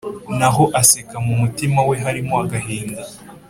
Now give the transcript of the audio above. naho aseka mu mutima we harimo agahinda